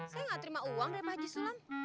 saya gak terima uang dari haji sulam